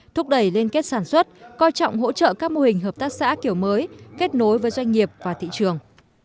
thúc đẩy liên kết sản xuất coi trọng hỗ trợ các mô hình hợp tác xã kiểu mới kết nối với doanh nghiệp và thị trường